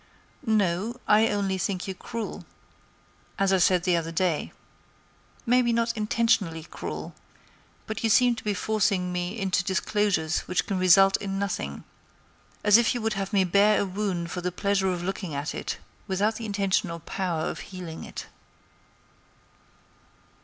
"No; I only think you cruel, as I said the other day. Maybe not intentionally cruel; but you seem to be forcing me into disclosures which can result in nothing; as if you would have me bare a wound for the pleasure of looking at it, without the intention or power of healing it."